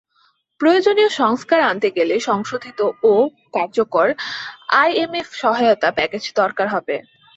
প্রয়োজনীয় সংস্কার আনতে গেলে সংশোধিত ও কার্যকর আইএমএফ সহায়তা প্যাকেজ দরকার হবে।